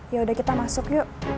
yaudah kita masuk yuk